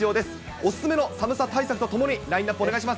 お勧めの寒さ対策とともに、ラインナップをお願いします。